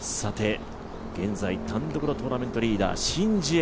現在単独のトーナメントリーダー、シン・ジエ。